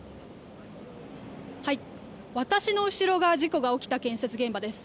私の後ろが事故が起きた建設現場です。